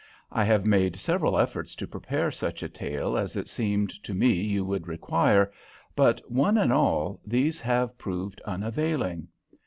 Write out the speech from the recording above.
I have made several efforts to prepare such a tale as it seemed to me you would require, but, one and all, these have proved unavailing.